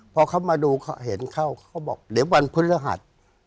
พอเขามาดูเขาเห็นเข้าเขาบอกเดี๋ยววันพฤหัส